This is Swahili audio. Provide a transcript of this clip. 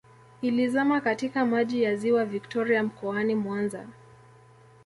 Ilizama katika Maji ya Ziwa Victoria mkoani Mwanza